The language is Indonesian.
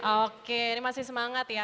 oke ini masih semangat ya